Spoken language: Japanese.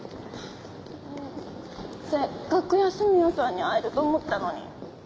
せっかく安洛さんに会えると思ったのに！